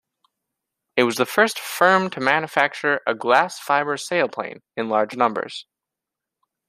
It was the first firm to manufacture a glass-fibre sailplane in large numbers.